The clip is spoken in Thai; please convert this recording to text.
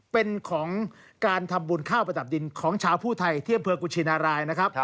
เป็นของการทำบุญข้าวประดับดินของชาวผู้ไทยที่อำเภอกุชินารายนะครับ